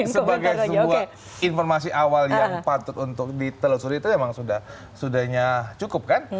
sebagai sebuah informasi awal yang patut untuk ditelusuri itu memang sudahnya cukup kan